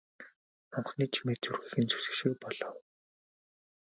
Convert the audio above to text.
Хонхны чимээ зүрхийг нь зүсэх шиг болов.